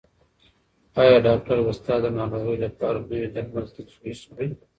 ایا ډاکټر به ستا د ناروغۍ لپاره نوي درمل تجویز کړي؟